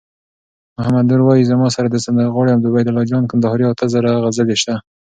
محمد نور وایی: زما سره د سندرغاړی عبیدالله جان کندهاری اته زره غزلي سته